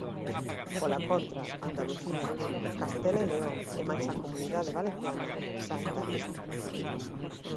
Pola contra, Andalucía, Castela e León e máis a Comunidade valenciana, saen da lista.